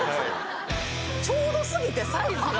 ちょうどすぎてサイズが。